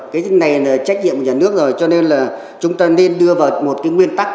cái này là trách nhiệm của nhà nước rồi cho nên là chúng ta nên đưa vào một cái nguyên tắc